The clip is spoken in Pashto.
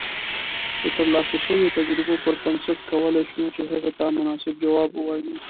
د ترلاسه شويو تجربو پر بنسټ کولای شو چې هغې ته مناسب جواب اوایو